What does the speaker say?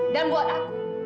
dan buat aku